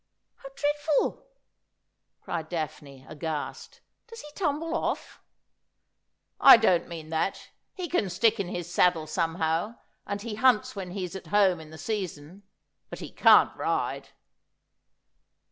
'How dreadful!' cried Daphne, aghast. 'Does he tumble o£E?' 68 Asphodel. ' I don't mean that. He can stick in his saddle somehow ; and he hunts when he's at home in the season ; but he can t ride.'